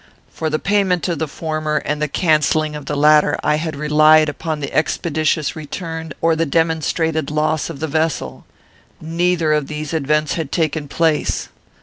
For the payment of the former, and the cancelling of the latter, I had relied upon the expeditious return or the demonstrated loss of the vessel. Neither of these events had taken place.